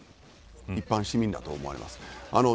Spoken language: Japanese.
一般市民だと思います。